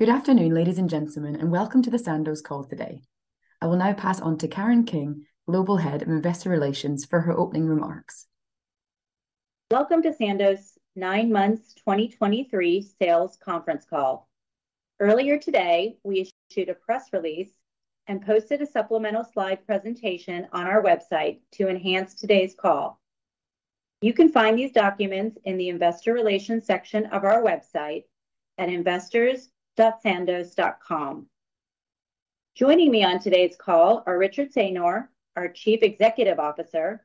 Good afternoon, ladies and gentlemen, and welcome to the Sandoz call today. I will now pass on to Karen King, Global Head of Investor Relations, for her opening remarks. Welcome to Sandoz nine months 2023 sales conference call. Earlier today, we issued a press release and posted a supplemental slide presentation on our website to enhance today's call. You can find these documents in the Investor Relations section of our website at investors.sandoz.com. Joining me on today's call are Richard Saynor, our Chief Executive Officer,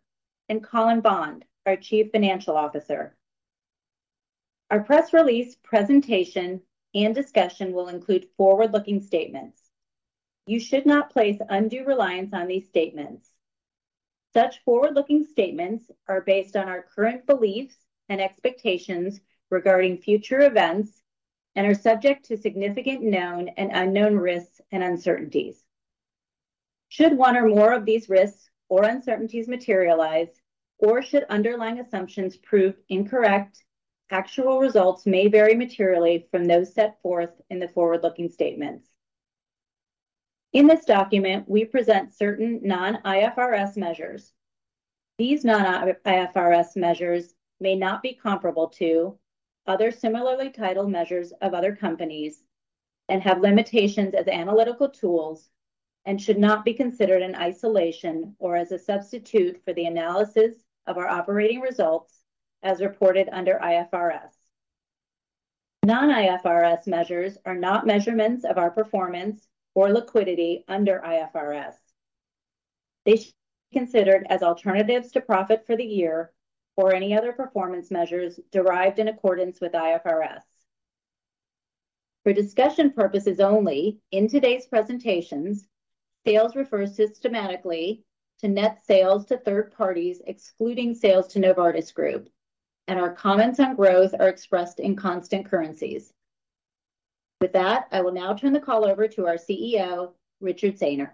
and Colin Bond, our Chief Financial Officer. Our press release, presentation, and discussion will include forward-looking statements. You should not place undue reliance on these statements. Such forward-looking statements are based on our current beliefs and expectations regarding future events and are subject to significant known and unknown risks and uncertainties. Should one or more of these risks or uncertainties materialize, or should underlying assumptions prove incorrect, actual results may vary materially from those set forth in the forward-looking statements. In this document, we present certain non-IFRS measures. These non-IFRS measures may not be comparable to other similarly titled measures of other companies and have limitations as analytical tools, and should not be considered in isolation or as a substitute for the analysis of our operating results as reported under IFRS. Non-IFRS measures are not measurements of our performance or liquidity under IFRS. They should be considered as alternatives to profit for the year or any other performance measures derived in accordance with IFRS. For discussion purposes only, in today's presentations, sales refer systematically to net sales to third parties, excluding sales to Novartis Group, and our comments on growth are expressed in constant currencies. With that, I will now turn the call over to our CEO, Richard Saynor.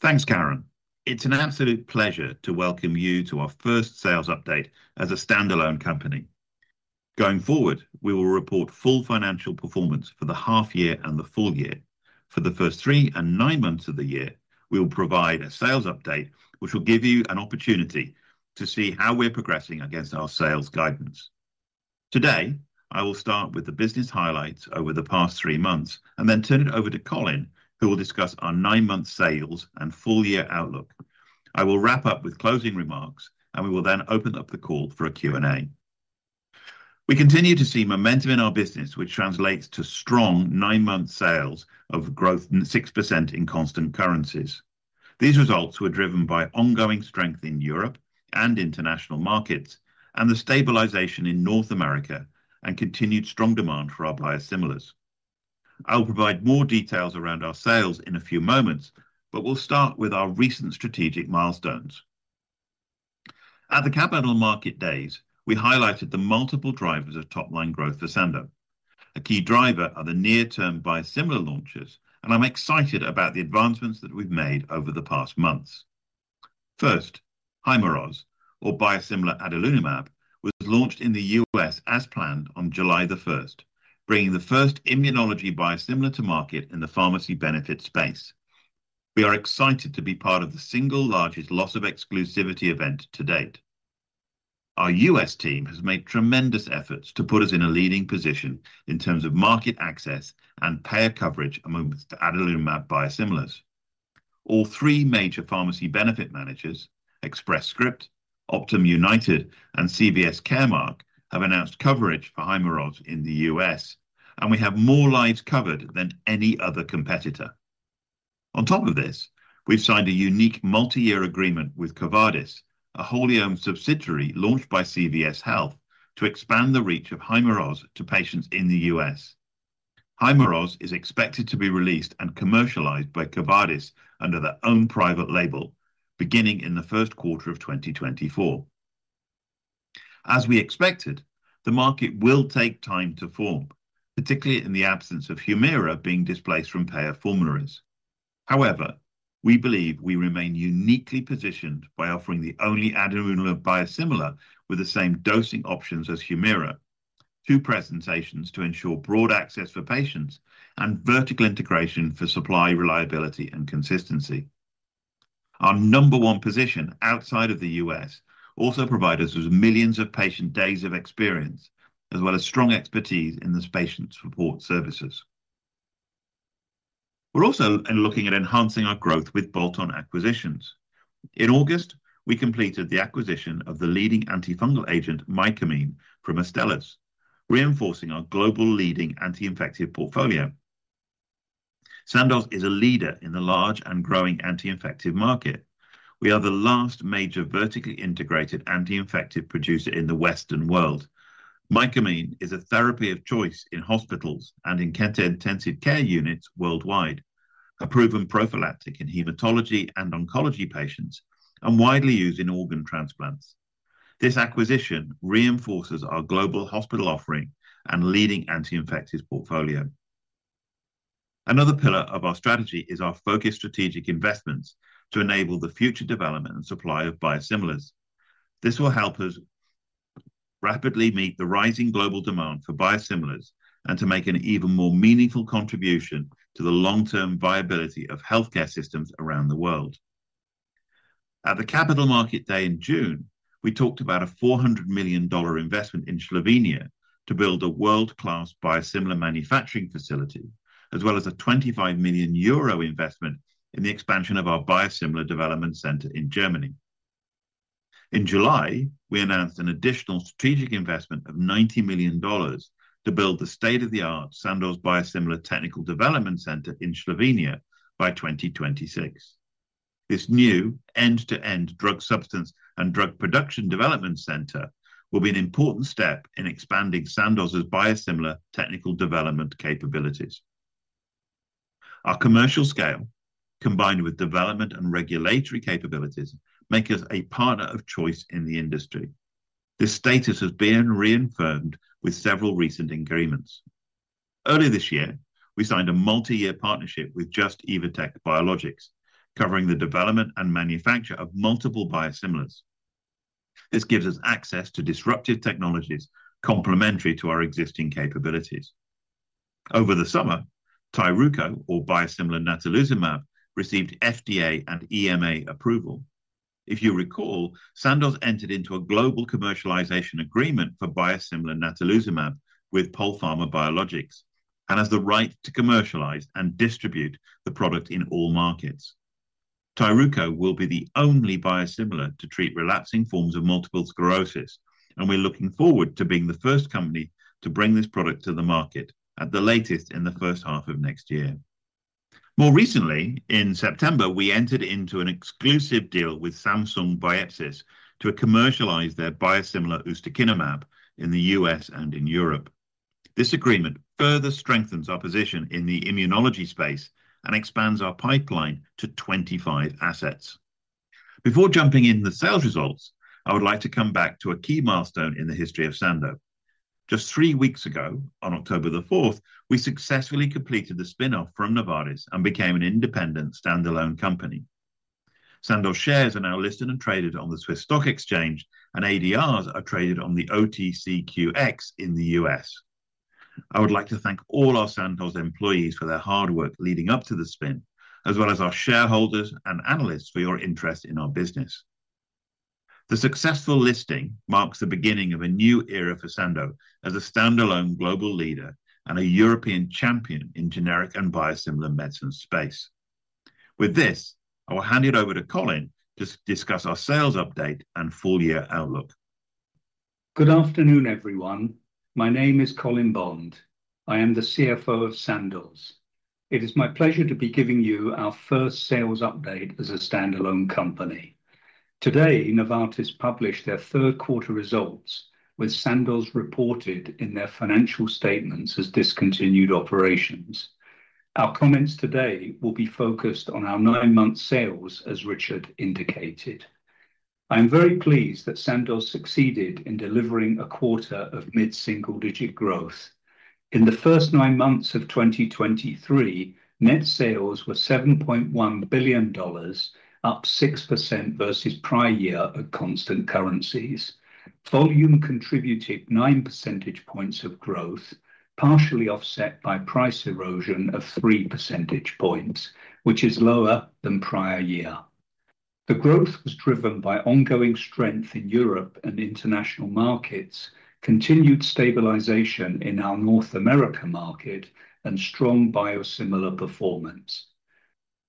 Thanks, Karen. It's an absolute pleasure to welcome you to our first sales update as a standalone company. Going forward, we will report full financial performance for the half year and the full year. For the first three and nine months of the year, we will provide a sales update, which will give you an opportunity to see how we're progressing against our sales guidance. Today, I will start with the business highlights over the past three months and then turn it over to Colin, who will discuss our nine-month sales and full year outlook. I will wrap up with closing remarks, and we will then open up the call for a Q&A. We continue to see momentum in our business, which translates to strong nine-month sales of growth 6% in constant currencies. These results were driven by ongoing strength in Europe and international markets, and the stabilization in North America, and continued strong demand for our biosimilars. I will provide more details around our sales in a few moments, but we'll start with our recent strategic milestones. At the Capital Markets Days, we highlighted the multiple drivers of top-line growth for Sandoz. A key driver are the near-term biosimilar launches, and I'm excited about the advancements that we've made over the past months. First, Hyrimoz, or biosimilar adalimumab, was launched in the U.S. as planned on July 1, bringing the first immunology biosimilar to market in the pharmacy benefit space. We are excited to be part of the single largest loss of exclusivity event to date. Our US team has made tremendous efforts to put us in a leading position in terms of market access and payer coverage amongst the adalimumab biosimilars. All three major pharmacy benefit managers, Express Scripts, Optum, and CVS Caremark, have announced coverage for Hyrimoz in the US, and we have more lives covered than any other competitor. On top of this, we've signed a unique multi-year agreement with Cordavis, a wholly-owned subsidiary launched by CVS Health, to expand the reach of Hyrimoz to patients in the U.S. Hyrimoz is expected to be released and commercialized by Cordavis under their own private label, beginning in the Q1 of 2024. As we expected, the market will take time to form, particularly in the absence of Humira being displaced from payer formularies. However, we believe we remain uniquely positioned by offering the only adalimumab biosimilar with the same dosing options as Humira, two presentations to ensure broad access for patients, and vertical integration for supply, reliability, and consistency. Our number one position outside of the U.S. also provide us with millions of patient days of experience, as well as strong expertise in this patient support services. We're also looking at enhancing our growth with bolt-on acquisitions. In August, we completed the acquisition of the leading antifungal agent, Micamine, from Astellas, reinforcing our global leading anti-infective portfolio. Sandoz is a leader in the large and growing anti-infective market. We are the last major vertically integrated anti-infective producer in the Western world. Micamine is a therapy of choice in hospitals and in intensive care units worldwide, a proven prophylactic in hematology and oncology patients, and widely used in organ transplants. This acquisition reinforces our global hospital offering and leading anti-infectives portfolio. Another pillar of our strategy is our focused strategic investments to enable the future development and supply of biosimilars. This will help us rapidly meet the rising global demand for biosimilars and to make an even more meaningful contribution to the long-term viability of healthcare systems around the world. At the Capital Markets Day in June, we talked about a $400 million investment in Slovenia to build a world-class biosimilar manufacturing facility, as well as a 25 million euro investment in the expansion of our biosimilar development center in Germany. In July, we announced an additional strategic investment of $90 million to build the state-of-the-art Sandoz Biosimilar Technical Development Center in Slovenia by 2026. This new end-to-end drug substance and drug production development center will be an important step in expanding Sandoz's biosimilar technical development capabilities. Our commercial scale, combined with development and regulatory capabilities, make us a partner of choice in the industry. This status has been reaffirmed with several recent agreements. Earlier this year, we signed a multi-year partnership with Just Evotec Biologics, covering the development and manufacture of multiple biosimilars. This gives us access to disruptive technologies complementary to our existing capabilities. Over the summer, Tyruko, or biosimilar natalizumab, received FDA and EMA approval. If you recall, Sandoz entered into a global commercialization agreement for biosimilar natalizumab with Polpharma Biologics, and has the right to commercialize and distribute the product in all markets. Tyruko will be the only biosimilar to treat relapsing forms of multiple sclerosis, and we're looking forward to being the first company to bring this product to the market at the latest in the first half of next year. More recently, in September, we entered into an exclusive deal with Samsung Bioepis to commercialize their biosimilar ustekinumab in the U.S. and in Europe. This agreement further strengthens our position in the immunology space and expands our pipeline to 25 assets. Before jumping into the sales results, I would like to come back to a key milestone in the history of Sandoz. Just three weeks ago, on October 4th, we successfully completed the spin-off from Novartis and became an independent standalone company. Sandoz shares are now listed and traded on the Swiss Stock Exchange, and ADRs are traded on the OTCQX in the U.S. I would like to thank all our Sandoz employees for their hard work leading up to the spin, as well as our shareholders and analysts for your interest in our business. The successful listing marks the beginning of a new era for Sandoz as a standalone global leader and a European champion in generic and biosimilar medicine space. With this, I will hand it over to Colin to discuss our sales update and full year outlook. Good afternoon, everyone. My name is Colin Bond. I am the CFO of Sandoz. It is my pleasure to be giving you our first sales update as a standalone company. Today, Novartis published their Q3 results, with Sandoz reported in their financial statements as discontinued operations. Our comments today will be focused on our nine-month sales, as Richard indicated. I am very pleased that Sandoz succeeded in delivering a quarter of mid-single-digit growth. In the first nine months of 2023, net sales were $7.1 billion, up 6% versus prior year at constant currencies. Volume contributed nine percentage points of growth, partially offset by price erosion of three percentage points, which is lower than prior year. The growth was driven by ongoing strength in Europe and international markets, continued stabilization in our North America market, and strong biosimilar performance.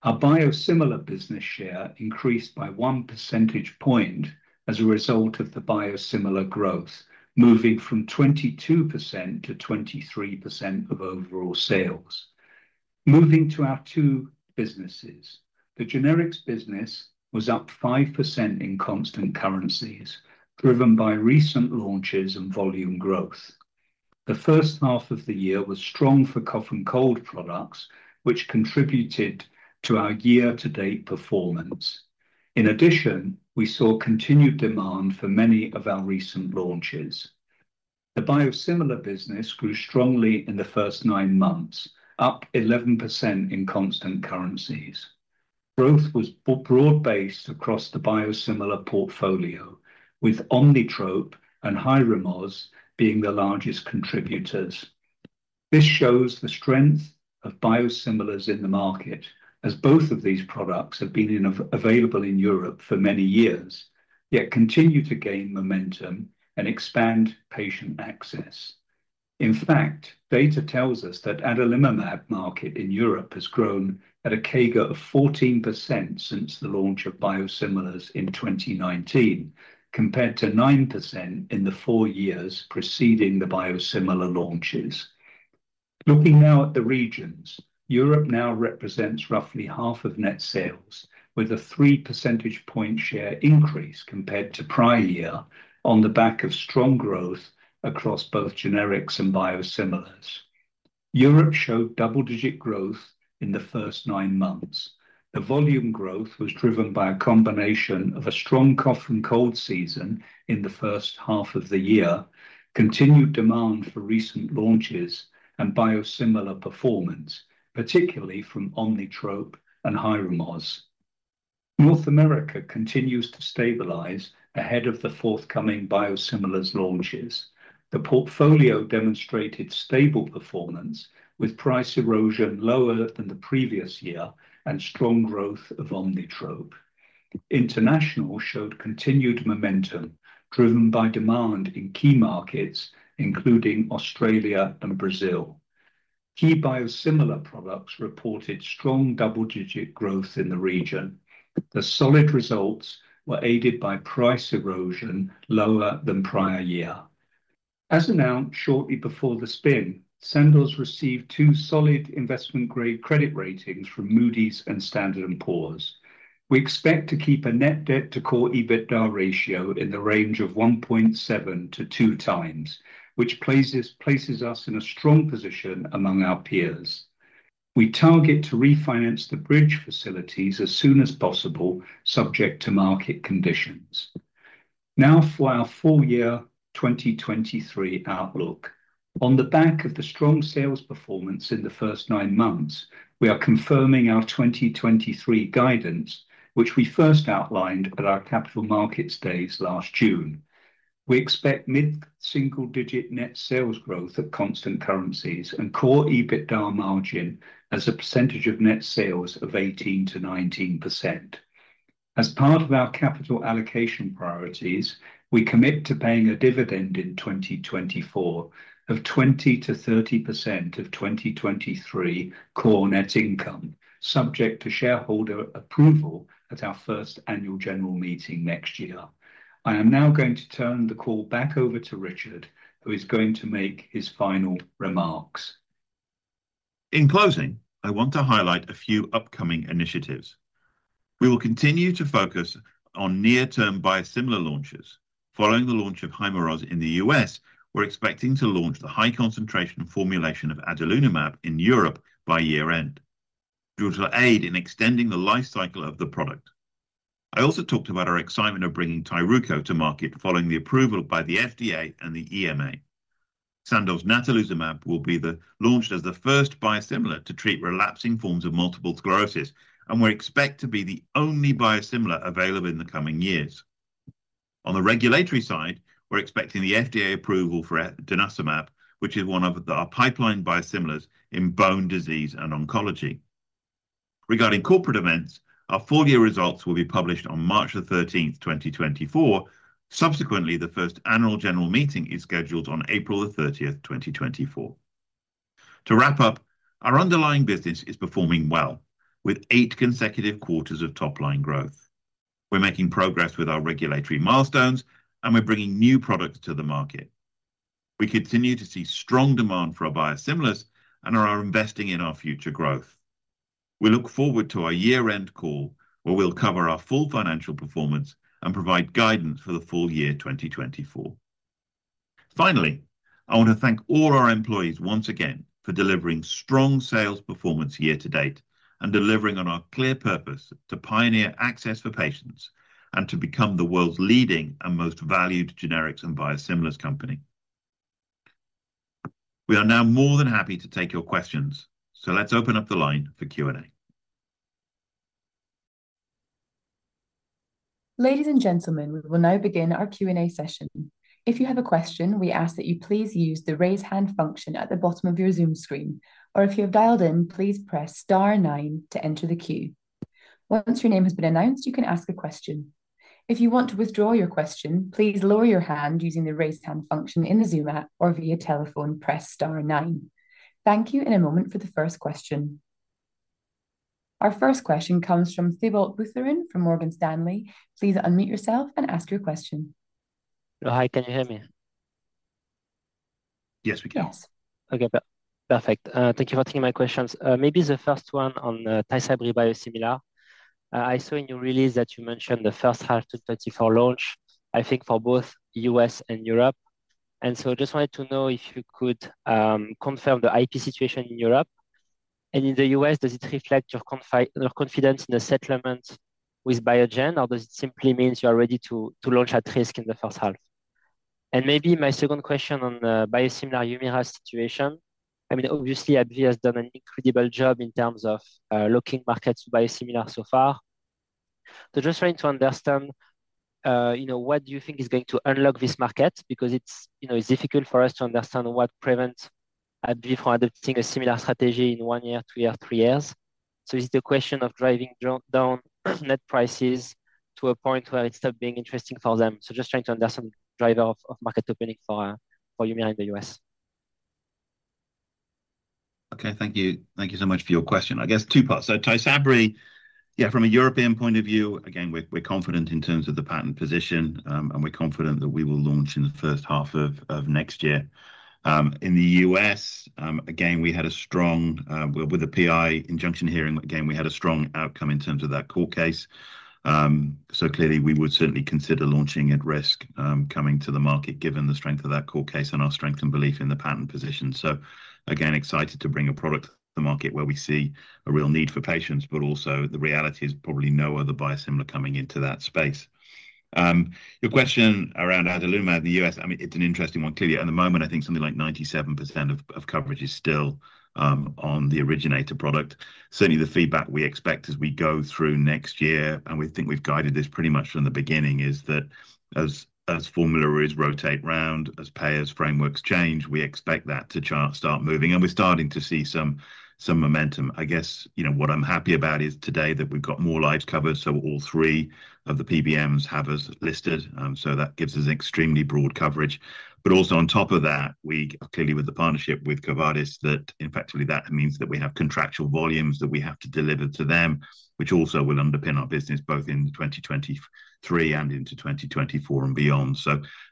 Our biosimilar business share increased by one percentage point as a result of the biosimilar growth, moving from 22% to 23% of overall sales. Moving to our two businesses. The generics business was up 5% in constant currencies, driven by recent launches and volume growth. The H1 of the year was strong for cough and cold products, which contributed to our year-to-date performance. In addition, we saw continued demand for many of our recent launches. The biosimilar business grew strongly in the first nine months, up 11% in constant currencies. Growth was broad-based across the biosimilar portfolio, with Omnitrope and Hyrimoz being the largest contributors. This shows the strength of biosimilars in the market, as both of these products have been available in Europe for many years, yet continue to gain momentum and expand patient access. In fact, data tells us that adalimumab market in Europe has grown at a CAGR of 14% since the launch of biosimilars in 2019, compared to 9% in the four years preceding the biosimilar launches. Looking now at the regions, Europe now represents roughly half of net sales, with a three percentage point share increase compared to prior year on the back of strong growth across both generics and biosimilars. Europe showed double-digit growth in the first nine months. The volume growth was driven by a combination of a strong cough and cold season in the first half of the year, continued demand for recent launches and biosimilar performance, particularly from Omnitrope and Hyrimoz. North America continues to stabilize ahead of the forthcoming biosimilars launches. The portfolio demonstrated stable performance, with price erosion lower than the previous year and strong growth of Omnitrope. International showed continued momentum, driven by demand in key markets, including Australia and Brazil. Key biosimilar products reported strong double-digit growth in the region. The solid results were aided by price erosion lower than prior year. As announced shortly before the spin, Sandoz received two solid investment-grade credit ratings from Moody's and Standard & Poor's. We expect to keep a net debt to core EBITDA ratio in the range of 1.7x to 2x, which places us in a strong position among our peers. We target to refinance the bridge facilities as soon as possible, subject to market conditions. Now for our full year 2023 outlook. On the back of the strong sales performance in the first nine months, we are confirming our 2023 guidance, which we first outlined at our Capital Markets Days last June. We expect mid-single-digit net sales growth at constant currencies and core EBITDA margin as a percentage of net sales of 18%-19%. As part of our capital allocation priorities, we commit to paying a dividend in 2024 of 20%-30% of 2023 core net income, subject to shareholder approval at our first annual general meeting next year. I am now going to turn the call back over to Richard, who is going to make his final remarks. In closing, I want to highlight a few upcoming initiatives. We will continue to focus on near-term biosimilar launches. Following the launch of Hyrimoz in the US, we're expecting to launch the high concentration formulation of adalimumab in Europe by year-end, which will aid in extending the life cycle of the product. I also talked about our excitement of bringing Tyruko to market following the approval by the FDA and the EMA. Sandoz natalizumab will be launched as the first biosimilar to treat relapsing forms of multiple sclerosis, and we expect to be the only biosimilar available in the coming years. On the regulatory side, we're expecting the FDA approval for denosumab, which is one of our pipeline biosimilars in bone disease and oncology. Regarding corporate events, our full year results will be published on March 13th 2024. Subsequently, the first annual general meeting is scheduled on April 30th 2024. To wrap up, our underlying business is performing well, with eight consecutive quarters of top-line growth. We're making progress with our regulatory milestones, and we're bringing new products to the market. We continue to see strong demand for our biosimilars and are investing in our future growth. We look forward to our year-end call, where we'll cover our full financial performance and provide guidance for the full year 2024. Finally, I want to thank all our employees once again for delivering strong sales performance year to date and delivering on our clear purpose to pioneer access for patients and to become the world's leading and most valued generics and biosimilars company. We are now more than happy to take your questions, so let's open up the line for Q&A. Ladies and gentlemen, we will now begin our Q&A session. If you have a question, we ask that you please use the Raise Hand function at the bottom of your Zoom screen, or if you have dialed in, please press star nine to enter the queue. Once your name has been announced, you can ask a question. If you want to withdraw your question, please lower your hand using the Raise Hand function in the Zoom app or via telephone, press star nine. Thank you. In a moment for the first question. Our first question comes from Thibault Boutherin from Morgan Stanley. Please unmute yourself and ask your question. Hi, can you hear me? Yes, we can. Okay, perfect. Thank you for taking my questions. Maybe the first one on Tysabri biosimilar. I saw in your release that you mentioned the H1 2024 launch, I think, for both U.S. and Europe and so I just wanted to know if you could confirm the IP situation in Europe and in the U.S does it reflect your confidence in the settlement with Biogen, or does it simply mean you are ready to launch at risk in the first half? Maybe my second question on the biosimilar Humira situation. I mean, obviously, AbbVie has done an incredible job in terms of locking markets biosimilar so far so just trying to understand, you know, what do you think is going to unlock this market? Because it's, you know, it's difficult for us to understand what prevents AbbVie from adopting a similar strategy in one year, two years, three years so it's the question of driving down net prices to a point where it's still being interesting for them. Just trying to understand driver of market opening for Humira in the U.S. Okay, thank you. Thank you so much for your question. I guess two parts. Tysabri, yeah, from a European point of view, again, we're confident in terms of the patent position, and we're confident that we will launch in the H1 of next year. In the US, again, we had a strong outcome with the PI injunction hearing, again, we had a strong outcome in terms of that court case so clearly we would certainly consider launching at risk, coming to the market, given the strength of that court case and our strength and belief in the patent position. Again, excited to bring a product to the market where we see a real need for patients, but also the reality is probably no other biosimilar coming into that space. Your question around adalimumab in the U.S., I mean, it's an interesting one. Clearly, at the moment, I think something like 97% of coverage is still on the originator product. Certainly, the feedback we expect as we go through next year, and we think we've guided this pretty much from the beginning, is that as formularies rotate round, as payers frameworks change, we expect that to start moving, and we're starting to see some momentum. I guess, you know, what I'm happy about is today that we've got more lives covered, so all three of the PBMs have us listed so that gives us extremely broad coverage. But also on top of that, we clearly with the partnership with Cordavis, that effectively that means that we have contractual volumes that we have to deliver to them, which also will underpin our business both in 2023 and into 2024 and beyond.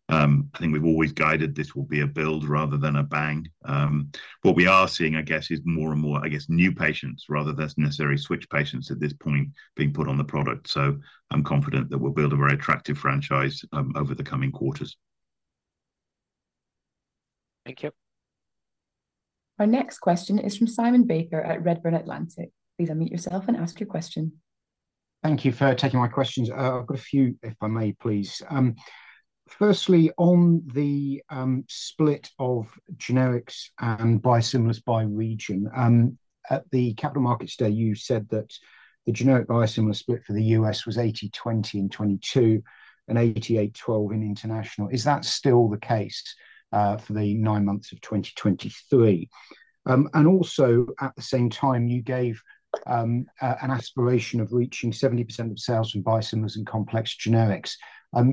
I think we've always guided this will be a build rather than a bang. What we are seeing, I guess, is more and more, I guess, new patients rather than necessary switch patients at this point being put on the product so I'm confident that we'll build a very attractive franchise, over the coming quarters. Thank you. Our next question is from Simon Baker at Redburn Atlantic. Please unmute yourself and ask your question. Thank you for taking my questions. I've got a few, if I may, please. Firstly, on the split of generics and biosimilars by region. At the Capital Markets Day, you said that the generic biosimilar split for the U.S. was 80/20 in 2022, and 88/12 in international. Is that still the case for the nine months of 2023? Also, at the same time, you gave an aspiration of reaching 70% of sales from biosimilars and complex generics.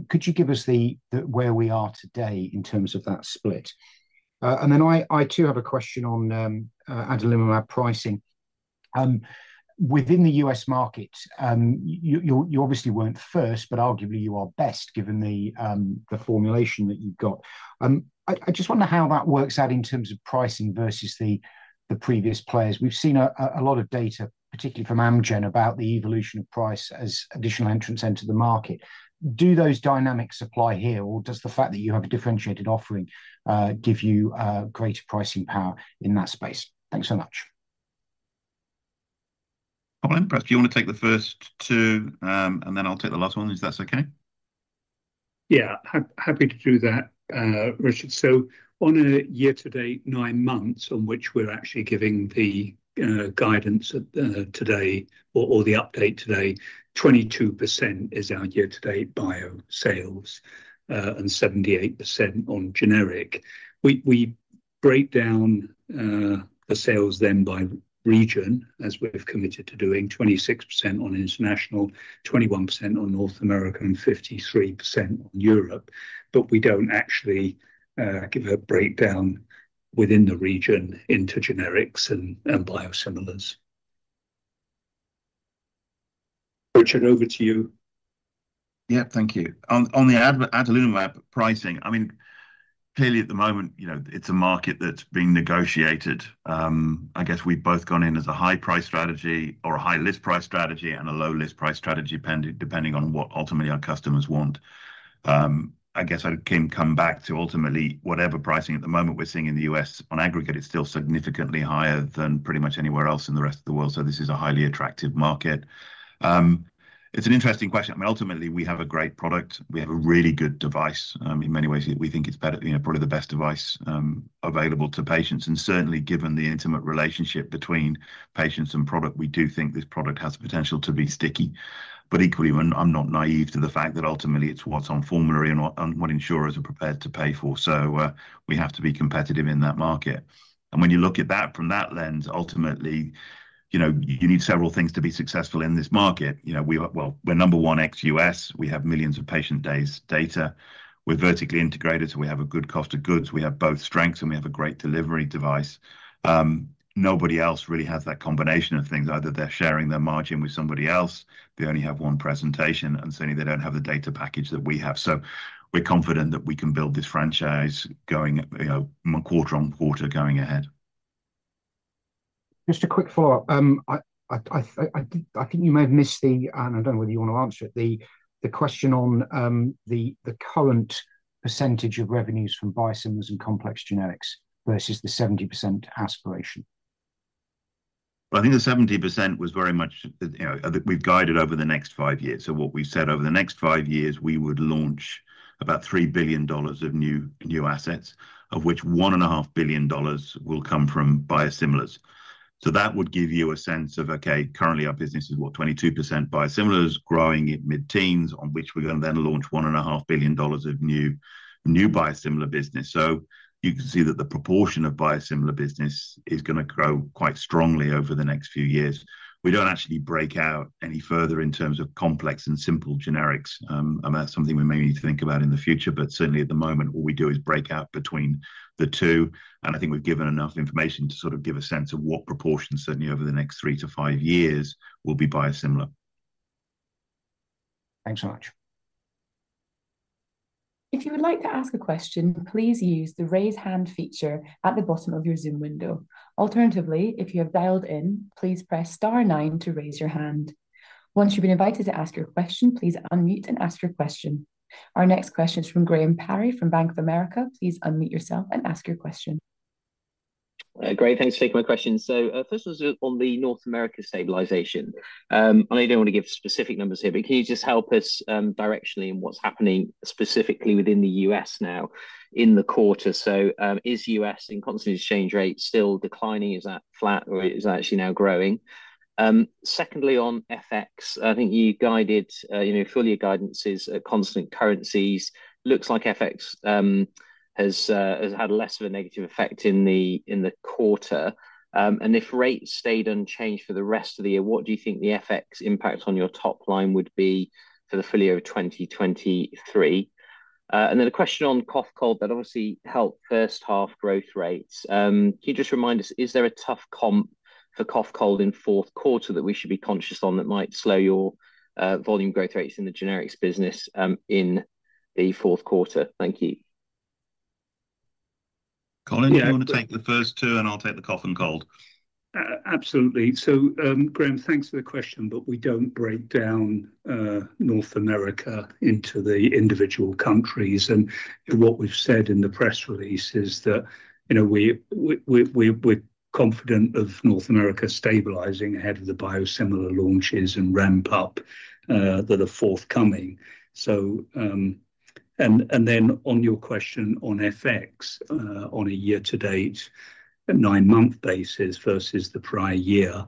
Could you give us the where we are today in terms of that split? Then I too have a question on adalimumab pricing. Within the U.S. market, you obviously weren't first, but arguably you are best, given the formulation that you've got. I just wonder how that works out in terms of pricing versus the previous players. We've seen a lot of data, particularly from Amgen, about the evolution of price as additional entrants enter the market. Do those dynamics apply here, or does the fact that you have a differentiated offering give you greater pricing power in that space? Thanks so much. Richard, perhaps do you want to take the first two, and then I'll take the last one, if that's okay? Yeah, happy to do that, Richard. On a year-to-date, nine months on which we're actually giving the guidance today or the update today, 22% is our year-to-date bio sales, and 78% on generic. We break down the sales then by region, as we've committed to doing 26% on international, 21% on North America, and 53% on Europe, but we don't actually give a breakdown within the region into generics and biosimilars. Richard, over to you. Yeah. Thank you. On the adalimumab pricing, I mean, clearly at the moment, you know, it's a market that's being negotiated. I guess we've both gone in as a high price strategy or a high list price strategy and a low list price strategy, depending on what ultimately our customers want. I guess I can come back to ultimately whatever pricing at the moment we're seeing in the U.S. on aggregate, is still significantly higher than pretty much anywhere else in the rest of the world, so this is a highly attractive market. It's an interesting question. I mean, ultimately, we have a great product. We have a really good device. In many ways, we think it's better, you know, probably the best device, available to patients. Certainly, given the intimate relationship between patients and product, we do think this product has the potential to be sticky but equally, I'm not naive to the fact that ultimately it's what's on formulary and what insurers are prepared to pay for so, we have to be competitive in that market. When you look at that from that lens, ultimately, you know, you need several things to be successful in this market. You know, well, we're number one ex-U.S. We have millions of patient days data. We're vertically integrated, so we have a good cost of goods. We have both strengths, and we have a great delivery device. Nobody else really has that combination of things. Either they're sharing their margin with somebody else, they only have one presentation, and certainly, they don't have the data package that we have. We're confident that we can build this franchise going, you know, quarter on quarter, going ahead. Just a quick follow-up. I think you may have missed the, and I don't know whether you want to answer it, the question on, the current percentage of revenues from biosimilars and complex generics versus the 70% aspiration. Well, I think the 70% was very much, you know, that we've guided over the next five years so what we've said over the next five years, we would launch about $3 billion of new, new assets, of which $1.5 billion will come from biosimilars. That would give you a sense of, okay, currently our business is, what? 22% biosimilars, growing at mid-teens, on which we're going to then launch $1.5 billion of new, new biosimilar business so you can see that the proportion of biosimilar business is gonna grow quite strongly over the next few years. We don't actually break out any further in terms of complex and simple generics. That's something we may need to think about in the future, but certainly at the moment, all we do is break out between the two, and I think we've given enough information to sort of give a sense of what proportion, certainly over the next three to five years, will be biosimilar. Thanks so much. If you would like to ask a question, please use the Raise Hand feature at the bottom of your Zoom window. Alternatively, if you have dialed in, please press star nine to raise your hand. Once you've been invited to ask your question, please unmute and ask your question. Our next question is from Graham Parry from Bank of America. Please unmute yourself and ask your question. Great, thanks for taking my question. First one's on the North America stabilization. I know you don't want to give specific numbers here, but can you just help us directionally in what's happening specifically within the U.S. now in the quarter? Is U.S. in constant exchange rate still declining, is that flat, or is it actually now growing? Secondly, on FX, I think you guided, you know, full year guidance is at constant currencies. Looks like FX has had less of a negative effect in the quarter and if rates stayed unchanged for the rest of the year, what do you think the FX impact on your top line would be for the full year of 2023? Then a question on cough, cold, that obviously helped first half growth rates. Can you just remind us, is there a tough comp for cough, cold in Q4 that we should be conscious on that might slow your volume growth rates in the generics business, in the Q4? Thank you. Colin, do you want to take the first two, and I'll take the cough and cold? Absolutely. Graham, thanks for the question. But we don't break down North America into the individual countries, and what we've said in the press release is that, you know, we're confident of North America stabilizing ahead of the biosimilar launches and ramp up that are forthcoming. Then on your question on FX, on a year to date, nine-month basis versus the prior year,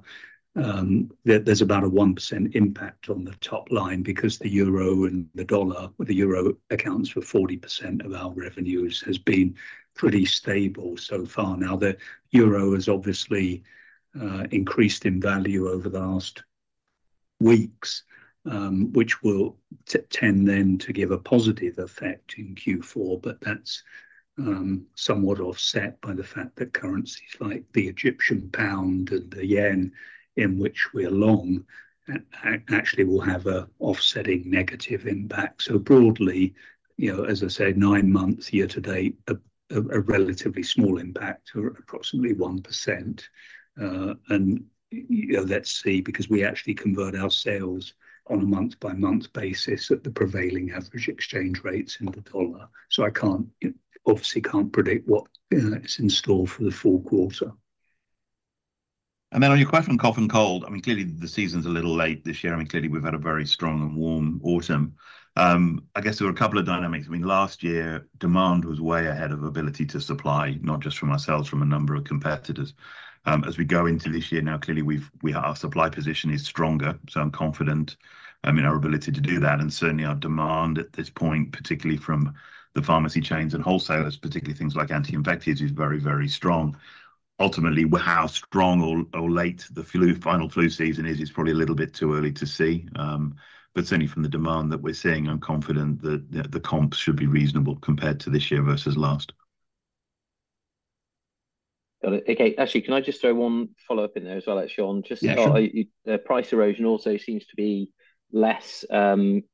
there's about a 1% impact on the top line, because the euro and the dollar, well, the euro accounts for 40% of our revenues, has been pretty stable so far. Now, the euro has obviously increased in value over the last weeks, which will tend then to give a positive effect in Q4. But that's somewhat offset by the fact that currencies like the Egyptian pound and the yen, in which we're long, actually will have an offsetting negative impact. So broadly, you know, as I said, nine months year to date, a relatively small impact, or approximately 1%. You know, let's see, because we actually convert our sales on a month-by-month basis at the prevailing average exchange rates in the dollar so I can't, obviously can't predict what is in store for the Q4. Then on your question on cough and cold, I mean, clearly the season's a little late this year. I mean, clearly, we've had a very strong and warm autumn. I guess there were a couple of dynamics. I mean, last year, demand was way ahead of ability to supply, not just from ourselves, from a number of competitors. As we go into this year, now, clearly, we've, our supply position is stronger, so I'm confident in our ability to do that and certainly our demand at this point, particularly from the pharmacy chains and wholesalers, particularly things like anti-infectives, is very, very strong. Ultimately, how strong or late the final flu season is, it's probably a little bit too early to see. But certainly from the demand that we're seeing, I'm confident that the comps should be reasonable compared to this year versus last. Got it. Okay, actually, can I just throw one follow-up in there as well, Saynor? Yeah, sure. Just the price erosion also seems to be less, actually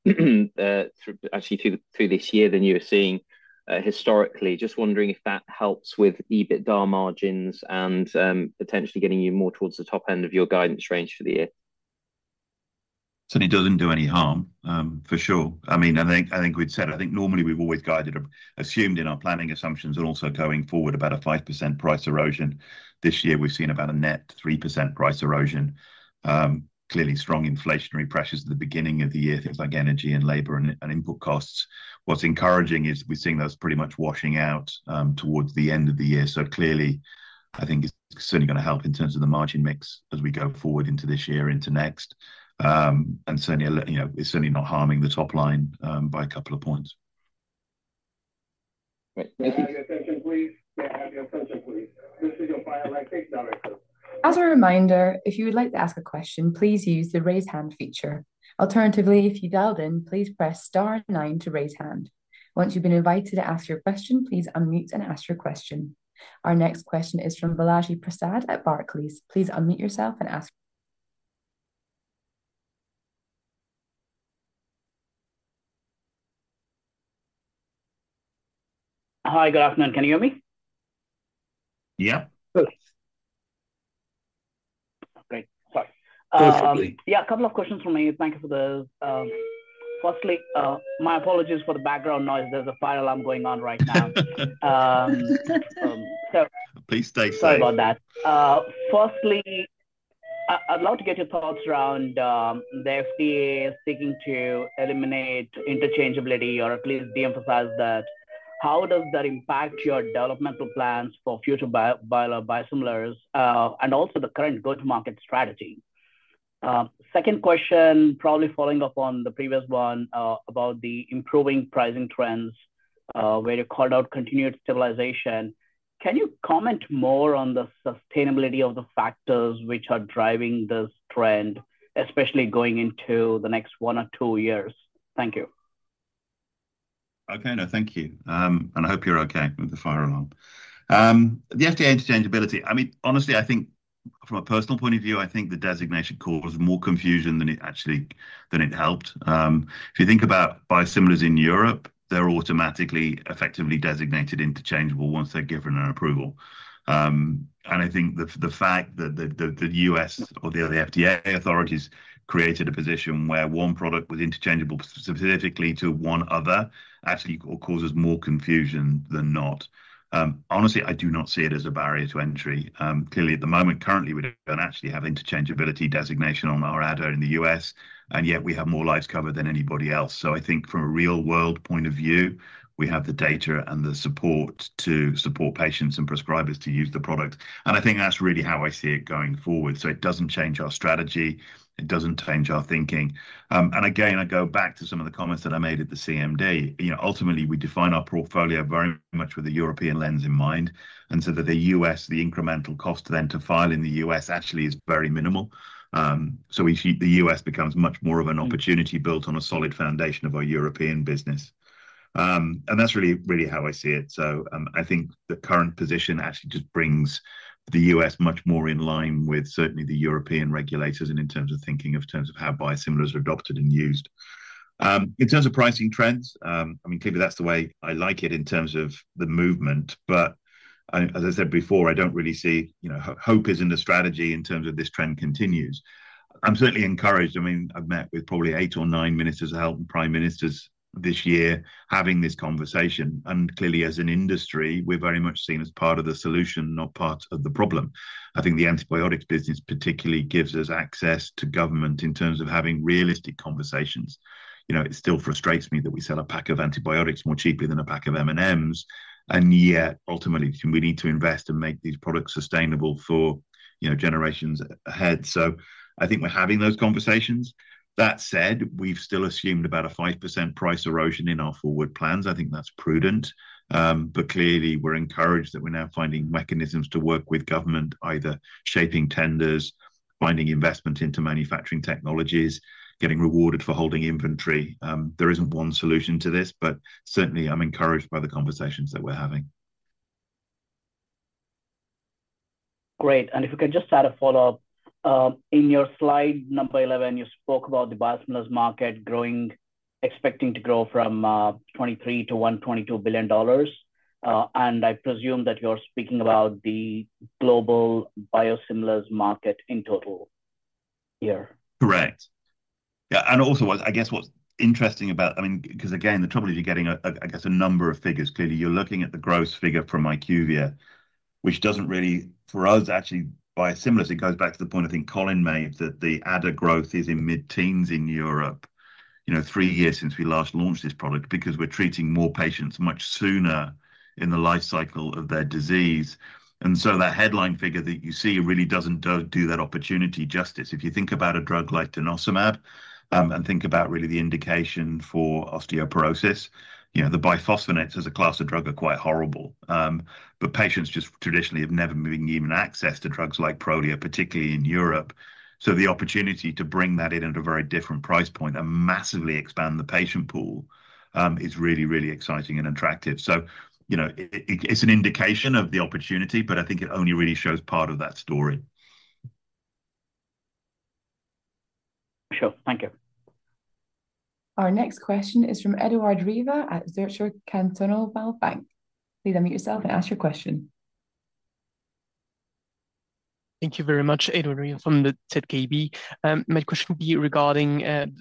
through this year than you were seeing, historically. Just wondering if that helps with EBITDA margins and, potentially getting you more towards the top end of your guidance range for the year. Certainly doesn't do any harm, for sure. I mean, I think, I think we'd said, I think normally we've always guided or assumed in our planning assumptions and also going forward about a 5% price erosion. This year, we've seen about a net 3% price erosion. Clearly strong inflationary pressures at the beginning of the year, things like energy and labor and, and input costs. What's encouraging is we're seeing those pretty much washing out, towards the end of the year so clearly, I think it's certainly going to help in terms of the margin mix as we go forward into this year, into next and certainly, you know, it's certainly not harming the top line, by a couple of points. May I have your attention, please? May I have your attention, please? This is your final reminder. As a reminder, if you would like to ask a question, please use the Raise Hand feature. Alternatively, if you dialed in, please press star nine to raise hand. Once you've been invited to ask your question, please unmute and ask your question. Our next question is from Balaji Prasad at Barclays. Please unmute yourself and ask- Hi, good afternoon. Can you hear me? Yeah. Good. Great. Sorry. Perfectly. Yeah, a couple of questions from me. Thank you for the, firstly, my apologies for the background noise. There's a fire alarm going on right now. Please stay safe. Sorry about that. Firstly, I'd love to get your thoughts around the FDA seeking to eliminate interchangeability or at least de-emphasize that. How does that impact your developmental plans for future biosimilars, and also the current go-to-market strategy? Second question, probably following up on the previous one, about the improving pricing trends, where you called out continued stabilization. Can you comment more on the sustainability of the factors which are driving this trend, especially going into the next one or two years? Thank you. Okay. Kinda thank you. I hope you're okay with the fire alarm. The FDA interchangeability, I mean, honestly, I think from a personal point of view, I think the designation caused more confusion than it actually, than it helped. If you think about biosimilars in Europe, they're automatically effectively designated interchangeable once they're given an approval and I think the fact that the US or the other FDA authorities created a position where one product was interchangeable specifically to one other, actually causes more confusion than not. Honestly, I do not see it as a barrier to entry. Clearly, at the moment, currently, we don't actually have interchangeability designation on our ADO in the US, and yet we have more lives covered than anybody else. So I think from a real-world point of view, we have the data and the support to support patients and prescribers to use the product. I think that's really how I see it going forward. It doesn't change our strategy, it doesn't change our thinking. Again, I go back to some of the comments that I made at the CMD. You know, ultimately, we define our portfolio very much with a European lens in mind, and so that the U.S., the incremental cost then to file in the U.S. actually is very minimal so we see the U.S. becomes much more of an opportunity built on a solid foundation of our European business and that's really, really how I see it. I think the current position actually just brings the U.S. much more in line with certainly the European regulators, and in terms of thinking, of terms of how biosimilars are adopted and used. In terms of pricing trends, I mean, clearly that's the way I like it in terms of the movement, but, as I said before, I don't really see, you know, hope isn't a strategy in terms of this trend continues. I'm certainly encouraged. I mean, I've met with probably eight or nine ministers of health and prime ministers this year having this conversation, and clearly, as an industry, we're very much seen as part of the solution, not part of the problem. I think the antibiotics business particularly gives us access to government in terms of having realistic conversations. You know, it still frustrates me that we sell a pack of antibiotics more cheaply than a pack of M&M's, and yet, ultimately, we need to invest and make these products sustainable for, you know, generations ahead so I think we're having those conversations. That said, we've still assumed about a 5% price erosion in our forward plans. I think that's prudent. But clearly, we're encouraged that we're now finding mechanisms to work with government, either shaping tenders, finding investment into manufacturing technologies, getting rewarded for holding inventory. There isn't one solution to this, but certainly I'm encouraged by the conversations that we're having. Great. If we could just add a follow-up. In your slide number 11, you spoke about the biosimilars market growing, expecting to grow from $23 billion-$122 billion and I presume that you're speaking about the global biosimilars market in total here? Correct. Yeah, and also, what, I guess, what's interesting about it—I mean, because, again, the trouble is you're getting a, I guess, a number of figures. Clearly, you're looking at the gross figure from IQVIA, which doesn't really. For us, actually, biosimilars, it goes back to the point, I think, Colin made, that the ADA growth is in mid-teens in Europe, you know, three years since we last launched this product, because we're treating more patients much sooner in the life cycle of their disease and so that headline figure that you see really doesn't do that opportunity justice. If you think about a drug like denosumab and think about really the indication for osteoporosis, you know, the bisphosphonates as a class of drug are quite horrible. But patients just traditionally have never been given access to drugs like Prolia, particularly in Europe. So the opportunity to bring that in at a very different price point and massively expand the patient pool, is really, really exciting and attractive. So, you know, it, it's an indication of the opportunity, but I think it only really shows part of that story. Sure. Thank you. Our next question is from Eduard Riva at Zürcher Kantonalbank. Please unmute yourself and ask your question. Thank you very much. Eduard Riva from the ZKB. My question would be regarding the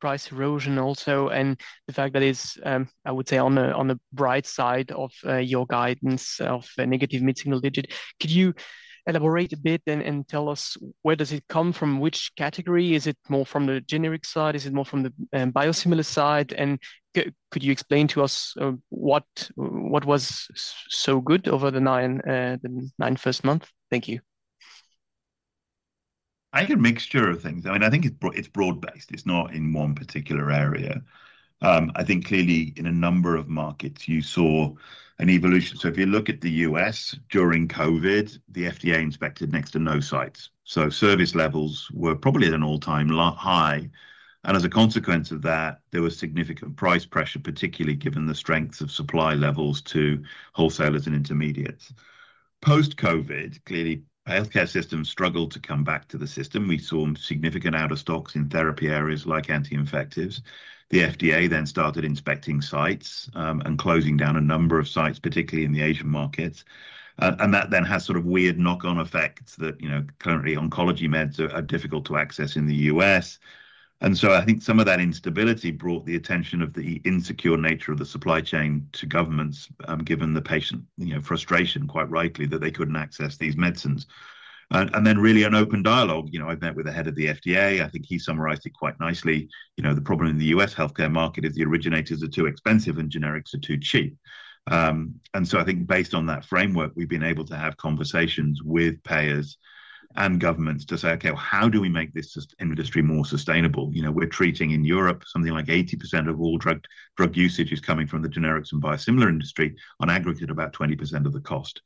price erosion also, and the fact that it's, I would say, on the bright side of your guidance of a negative mid-single digit. Could you elaborate a bit and tell us where does it come from, which category? Is it more from the generic side? Is it more from the biosimilar side? Could you explain to us what was so good over the first nine months? Thank you. I think a mixture of things. I mean, I think it's broad-based. It's not in one particular area. I think clearly in a number of markets you saw an evolution so if you look at the U.S. during COVID, the FDA inspected next to no sites so service levels were probably at an all-time high, and as a consequence of that, there was significant price pressure, particularly given the strength of supply levels to wholesalers and intermediates. Post-COVID, clearly, healthcare systems struggled to come back to the system. We saw significant out-of-stocks in therapy areas like anti-infectives. The FDA then started inspecting sites, and closing down a number of sites, particularly in the Asian markets and that then has sort of weird knock-on effects that, you know, currently oncology meds are difficult to access in the U.S. I think some of that instability brought the attention of the insecure nature of the supply chain to governments, given the patient, you know, frustration, quite rightly, that they couldn't access these medicines and then really an open dialogue. You know, I've met with the head of the FDA. I think he summarized it quite nicely. You know, the problem in the U.S. healthcare market is the originators are too expensive and generics are too cheap and so I think based on that framework, we've been able to have conversations with payers and governments to say, "Okay, how do we make this industry more sustainable?" You know, we're treating in Europe, something like 80% of all drug usage is coming from the generics and biosimilar industry on aggregate about 20% of the cost.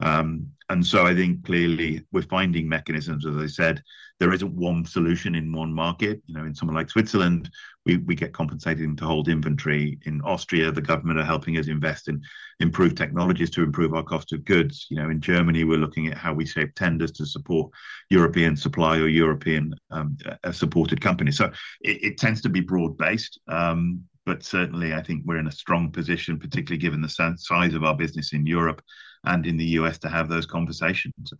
I think clearly we're finding mechanisms. As I said, there isn't one solution in one market. You know, in somewhere like Switzerland, we get compensated to hold inventory. In Austria, the government are helping us invest in improved technologies to improve our cost of goods. You know, in Germany, we're looking at how we shape tenders to support European supply or European supported companies so it tends to be broad-based, but certainly I think we're in a strong position, particularly given the size of our business in Europe and in the U.S., to have those conversations.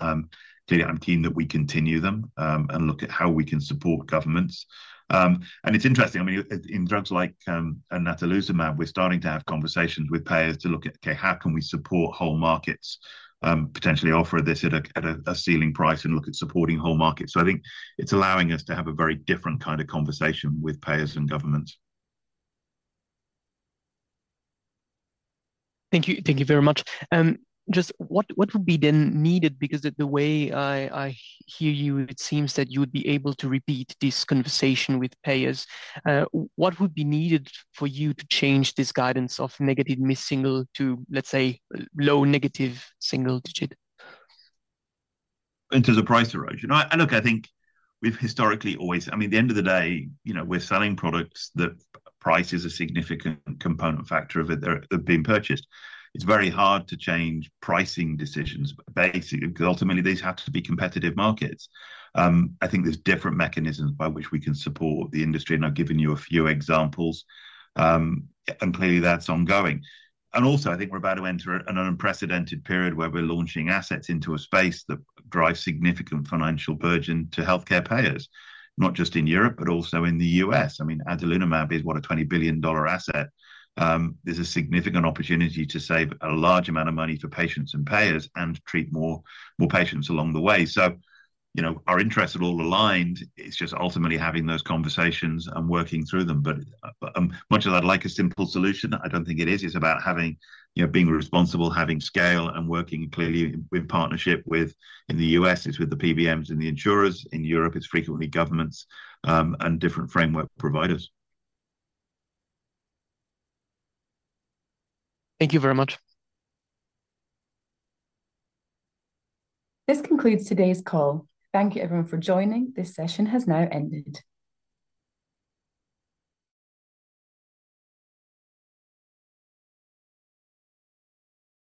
Clearly, I'm keen that we continue them, and look at how we can support governments. It's interesting, I mean, in drugs like adalimumab, we're starting to have conversations with payers to look at, okay, how can we support whole markets, potentially offer this at a ceiling price and look at supporting whole markets? I think it's allowing us to have a very different kind of conversation with payers and governments. Thank you. Thank you very much. Just what, what would be then needed? Because the way I, I hear you, it seems that you would be able to repeat this conversation with payers. What would be needed for you to change this guidance of negative mid-single to, let's say, low negative single digit? In terms of price erosion? Look, I think we've historically, always. I mean, at the end of the day, you know, we're selling products that price is a significant component factor of it, being purchased. It's very hard to change pricing decisions, but basically, ultimately, these have to be competitive markets. I think there's different mechanisms by which we can support the industry, and I've given you a few examples, and clearly, that's ongoing. Also, I think we're about to enter an unprecedented period where we're launching assets into a space that drives significant financial burden to healthcare payers, not just in Europe, but also in the U.S. I mean, adalimumab is what? A $20 billion asset. There's a significant opportunity to save a large amount of money for patients and payers and treat more, more patients along the way. So you know, our interests are all aligned. It's just ultimately having those conversations and working through them. But, much as I'd like a simple solution, I don't think it is. It's about having, you know, being responsible, having scale, and working clearly in partnership with, in the U.S., it's with the PBMs and the insurers. In Europe, it's frequently governments, and different framework providers. Thank you very much. This concludes today's call. Thank you, everyone, for joining. This session has now ended.